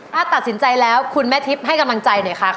ถ้าตัดสินใจแล้วคุณแม่ทิพย์ให้กำลังใจหน่อยค่ะ